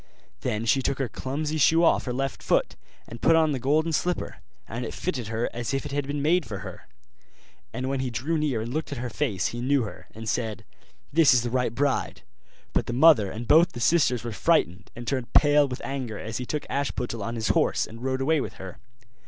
Then she took her clumsy shoe off her left foot, and put on the golden slipper; and it fitted her as if it had been made for her. And when he drew near and looked at her face he knew her, and said, 'This is the right bride.' But the mother and both the sisters were frightened, and turned pale with anger as he took Ashputtel on his horse, and rode away with her.